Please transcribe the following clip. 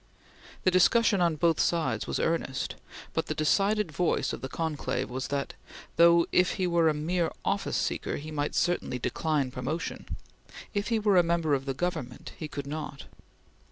The discussion on both sides was earnest, but the decided voice of the conclave was that, though if he were a mere office seeker he might certainly decline promotion, if he were a member of the Government he could not.